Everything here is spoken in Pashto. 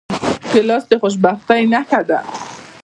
ګیلاس د خوشبختۍ نښه ده.